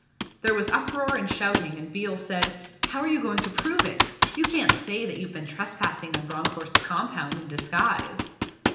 There was uproar and shouting, and Biel said, 'How are you going to prove it? You can't say that you've been trespassing on Bronckhorst's compound in disguise!'